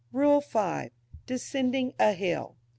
RULE V. DESCENDING A HILL.